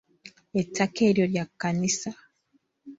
Ettaka eryo lya kkanisa